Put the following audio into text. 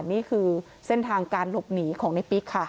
นี่คือเส้นทางการหลบหนีของในปิ๊กค่ะ